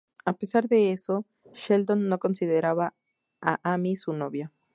A pesar de ello, Sheldon no consideraba a Amy su novia.